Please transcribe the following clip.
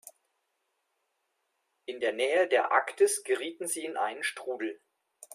In der Nähe der Arktis gerieten sie in einen Strudel.